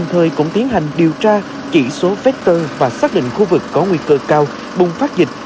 thời cũng tiến hành điều tra chỉ số vector và xác định khu vực có nguy cơ cao bùng phát dịch